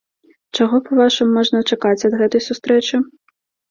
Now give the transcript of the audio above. Чаго, па-вашаму, можна чакаць ад гэтай сустрэчы?